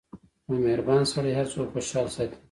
• یو مهربان سړی هر څوک خوشحال ساتي.